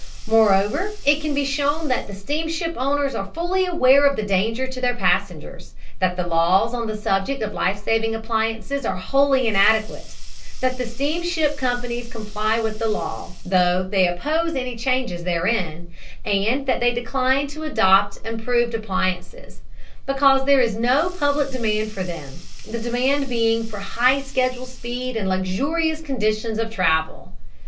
Moreover, it can be shown that the steamship owners are fully aware of the danger to their passengers; that the laws on the subject of life saving appliances are wholly inadequate; that the steamship companies comply with the law, though they oppose any changes therein, and that they decline to adopt improved appliances; because there is no public demand for them, the demand being for high schedule speed and luxurious conditions of travel.